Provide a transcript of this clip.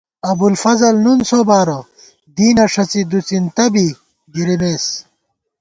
ابُوالفضل نُون سوبارہ دینہ ݭڅی دُوڅِنتہ بی گِرِمېس